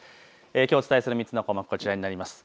きょうお伝えする３つの項目、こちらになります。